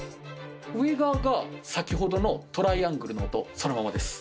上側が先ほどのトライアングルの音そのままです。